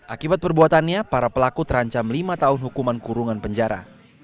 akibat perbuatannya para pelaku terancam lima tahun hukuman kurungan penjara